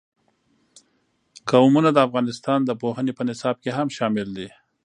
قومونه د افغانستان د پوهنې په نصاب کې هم شامل دي.